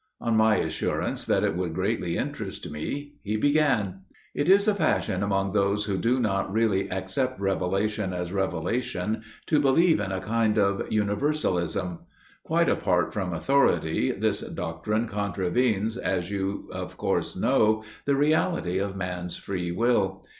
On my assurance that it would greatly interest me, he began. "It is a fashion among those who do not really accept Revelation as revelation to believe in a kind of Universalism. Quite apart from authority, this doctrine contravenes, as you of course know, the reality of man's free will.